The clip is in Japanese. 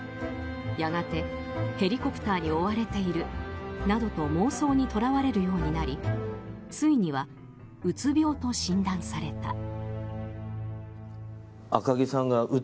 やがて、ヘリコプターに追われているなどと妄想にとらわれるようになりついには、うつ病と診断された。